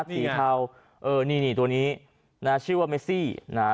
เทาเออนี่นี่ตัวนี้นะฮะชื่อว่าเมซี่นะฮะ